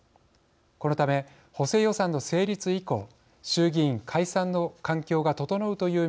このため補正予算の成立以降衆議院解散の環境が整うという見方もあります。